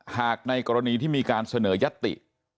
ในกรณีที่มีการเสนอยัตติ